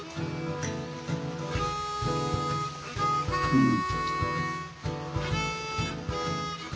うん。